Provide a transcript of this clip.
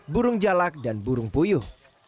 burung jalak dan burung puyuh